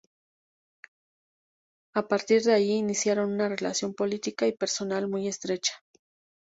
A partir de allí iniciaron una relación política y personal muy estrecha.